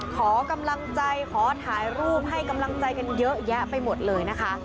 ขอกำลังใจขอถ่ายรูปให้กำลังใจกันเยอะแยะไปหมดเลยนะคะ